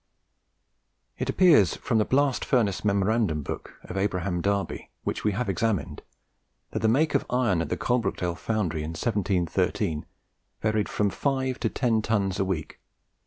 It appears from the 'Blast Furnace Memorandum Book' of Abraham Darby, which we have examined, that the make of iron at the Coalbrookdale foundry, in 1713, varied from five to ten tons a week.